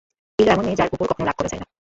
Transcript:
বীলু এমন মেয়ে, যার উপর কখনো রাগ করা যায় না।